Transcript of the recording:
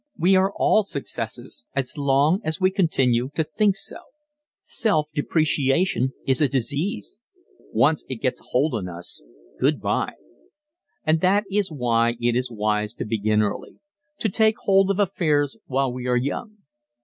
We are all successes as long as we continue to think so. Self depreciation is a disease. Once it gets a hold on us good bye! And that is why it is wise to begin early to take hold of affairs while we are young.